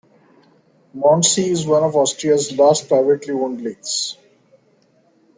Mondsee is one of Austria's last privately owned lakes.